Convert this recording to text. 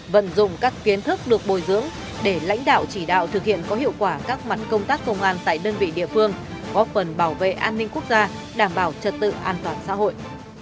vận dụng các kiến thức được bồi dưỡng để lãnh đạo chỉ đạo thực hiện có hiệu quả các mặt công tác công an tại đơn vị địa phương góp phần bảo vệ an ninh quốc gia đảm bảo trật tự an toàn xã hội